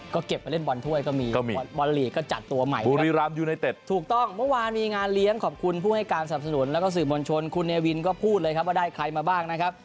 ก็เก็บไปเล่นบอลถ้วยก็มีบอลลีกก็จัดตัวใหม่บุรีรำยูไนเต็ดถูกต้องเมื่อวานมีงานเลี้ยงขอบคุณผู้ให้การสนับสนุนแล้วก็สื่อมวลชนคุณเนวินก็พูดเลยครับว่าได้ใครมาบ้างนะครับ